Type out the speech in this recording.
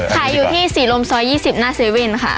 ขายอยู่ที่สีลมซอย๒๐หน้า๗ค่ะ